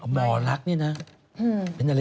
หมอลักษณ์เนี่ยนะ